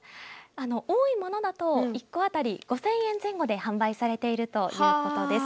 多いものだと１個当たり５０００円前後で発売されているということです。